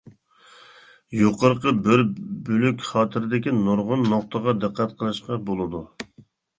يۇقىرىقى بىر بۆلەك خاتىرىدىكى نۇرغۇن نۇقتىغا دىققەت قىلىشقا بولىدۇ.